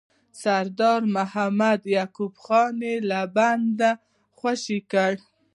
سردار محمد یعقوب خان یې له بنده خوشي کړ.